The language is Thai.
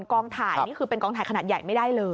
กองถ่ายนี่คือเป็นกองถ่ายขนาดใหญ่ไม่ได้เลย